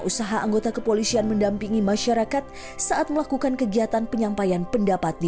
usaha anggota kepolisian mendampingi masyarakat saat melakukan kegiatan penyampaian pendapat di